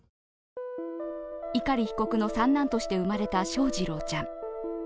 碇被告の三男として生まれた翔士郎ちゃん。